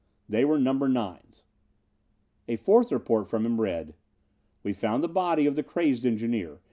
They were number nines." A fourth report from him read: "We found the body of the crazed engineer.